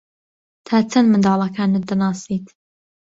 تا چەند منداڵەکانت دەناسیت؟